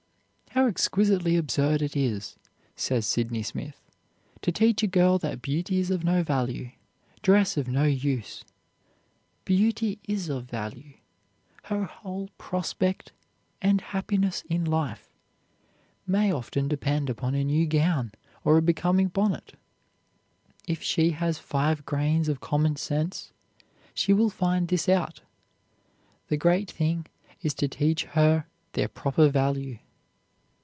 "How exquisitely absurd it is," says Sydney Smith, "to teach a girl that beauty is of no value, dress of no use. Beauty is of value. Her whole prospect and happiness in life may often depend upon a new gown or a becoming bonnet. If she has five grains of common sense, she will find this out. The great thing is to teach her their proper value."